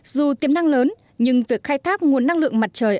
dù tiềm năng lớn nhưng việc khai thác nguồn năng lượng mặt trời